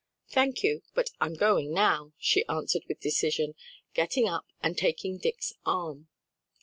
"Thank you, but I'm going now," she answered with decision, getting up and taking Dick's arm.